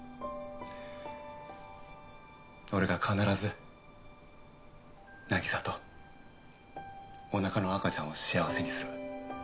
俺が必ず凪沙とお腹の赤ちゃんを幸せにする。